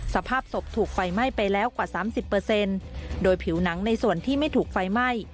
สภาพศพถูกไฟไหม้ไปแล้วกว่าสามสิบเปอร์เซ็นต์โดยผิวหนังในส่วนที่ไม่ถูกไฟไหม้